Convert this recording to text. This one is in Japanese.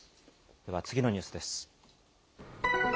では次のニュースです。